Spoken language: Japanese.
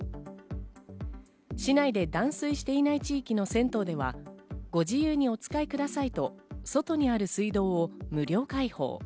市内で断水していない地域の銭湯ではご自由にお使いくださいと、外にある水道を無料開放。